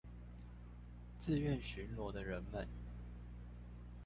自願巡邏的人們